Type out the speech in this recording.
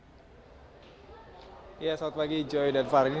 selamat pagi joy dan fary